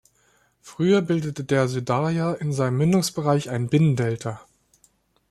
Früher bildete der Syrdarja in seinem Mündungsbereich ein Binnendelta.